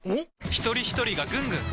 ひとりひとりがぐんぐん！